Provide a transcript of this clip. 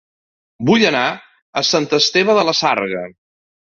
Vull anar a Sant Esteve de la Sarga